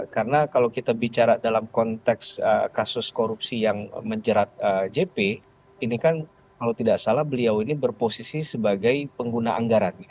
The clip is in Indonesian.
karena kalau kita bicara dalam konteks kasus korupsi yang menjerat jp ini kan kalau tidak salah beliau ini berposisi sebagai pengguna anggaran